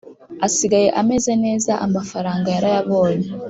asigaye ameze neza amafaranga yarayabonye